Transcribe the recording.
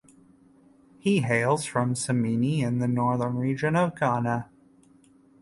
He hails from Samini in the Northern region of Ghana.